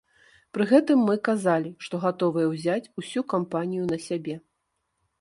Пры гэтым мы казалі, што гатовыя ўзяць усю кампанію на сябе.